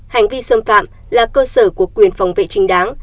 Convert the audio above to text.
hành vi xâm phạm là cơ sở của quyền phòng vệ trình đáng